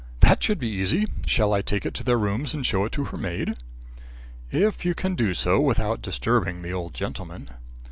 "That should be easy. Shall I take it to their rooms and show it to her maid?" "If you can do so without disturbing the old gentleman."